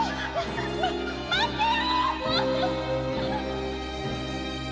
ま待ってよ！